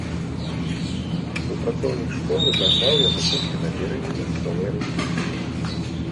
Супрацоўнік школы дагнаў яго толькі на беразе мясцовай ракі.